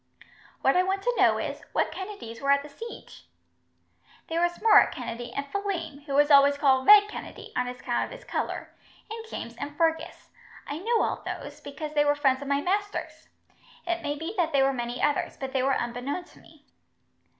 "What I want to know is, what Kennedys were at the siege?" "There was Murroch Kennedy, and Phelim, who was always called 'Red Kennedy', on account of his colour; and James and Fergus. I knew all those, because they were friends of my master's. It may be that there were many others, but they were unbeknown to me."